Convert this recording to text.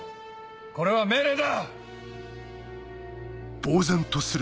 これは命令だ！